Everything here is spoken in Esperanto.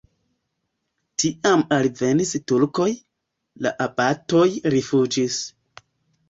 Tiam alvenis turkoj, la abatoj rifuĝis.